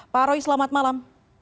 pak roy selamat malam